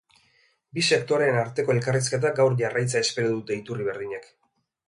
Bi sektoreen arteko elkarrizketak gaur jarraitzea espero dute iturri berdinek.